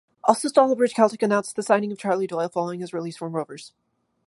Also Stalybridge Celtic announced the signing of Charley Doyle following his release from Rovers.